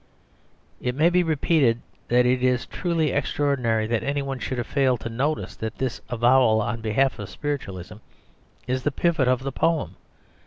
It may be repeated that it is truly extraordinary that any one should have failed to notice that this avowal on behalf of spiritualism is the pivot of the poem.